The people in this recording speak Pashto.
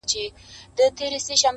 ته خو له هري ښيښې وځې و ښيښې ته ورځې!